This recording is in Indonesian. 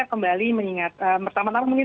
kembali mengingat pertama tama mungkin